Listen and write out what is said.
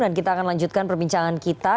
dan kita akan lanjutkan perbincangan kita